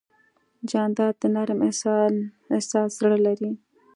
جانداد د نرم احساس زړه لري.